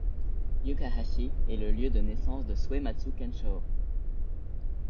Yukahashi est le lieu de naissance de Suematsu Kenchō.